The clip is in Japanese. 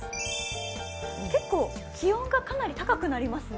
結構、気温がかなり高くなりますね